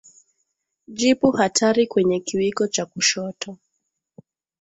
Jipu hatari kwenye kiwiko cha kushoto